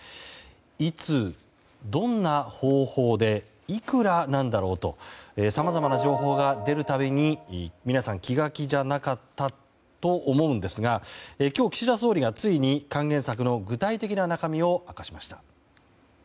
いつ、どんな方法でいくらなんだろうとさまざまな情報が出るたびに皆さん気が気じゃなかったと思うんですが今日、岸田総理がついに還元策の具体的な中身を明かしました。